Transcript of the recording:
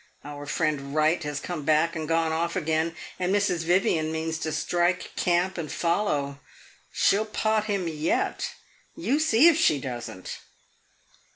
Our friend Wright has come back and gone off again, and Mrs. Vivian means to strike camp and follow. She 'll pot him yet; you see if she does n't!"